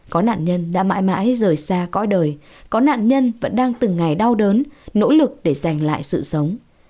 có nạn nhân đã mãi mãi rời xa cõi đời có nạn nhân vẫn đang từng ngày đau đớn nỗ lực để giành lại sự sống